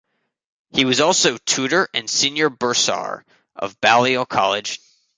He was also Tutor and Senior Bursar of Balliol College.